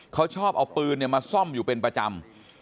เขาชอบเอาปืนมาซ่อมอยู่เป็นประจำ